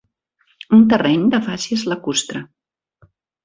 Un terreny de fàcies lacustre.